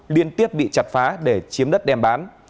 liên tiếp bị chặt phá để chiếm đất đem bán